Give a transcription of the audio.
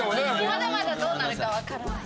まだまだどうなるかわからない。